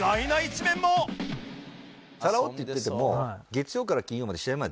チャラ男って言ってても。